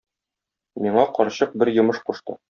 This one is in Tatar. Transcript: Миңа карчык бер йомыш кушты.